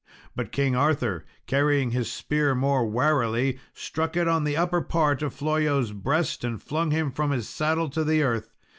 But King Arthur, carrying his spear more warily, struck it on the upper part of Flollo's breast, and flung him from his saddle to the earth.